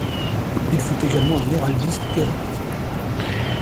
Il fut également un héraldiste érudit.